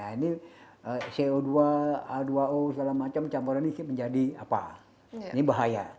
ini co dua a dua o segala macam campuran ini menjadi apa ini bahaya